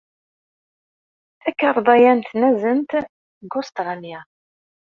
Takarḍa-a n tnazent seg Ustṛalya.